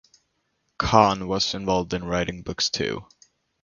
Khan was involved in writing books too.